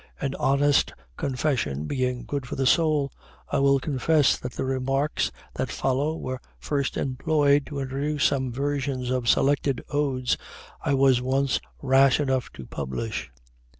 An honest confession being good for the soul, I will confess that the remarks that follow were first employed to introduce some versions of selected Odes I was once rash enough to publish.